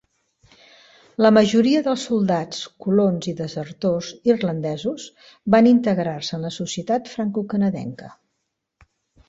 La majoria dels soldats, colons i desertors irlandesos van integrar-se en la societat francocanadenca.